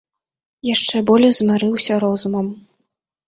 Яшчэ болей змарыўся розумам.